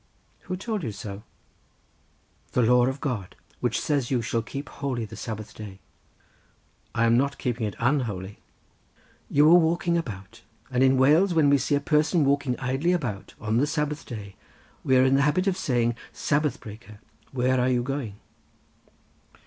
"Who told you so?" "The law of God, which says you shall keep holy the Sabbath day." "I am not keeping it unholy." "You are walking about, and in Wales when we see a person walking idly about, on the Sabbath day, we are in the habit of saying Sabbath breaker; where are you going?"